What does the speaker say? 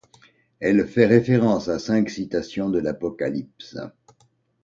Elle fait référence à cinq citations de l'Apocalypse.